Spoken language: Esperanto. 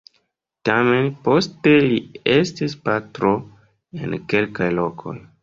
Tamen poste li estis pastro en kelkaj lokoj.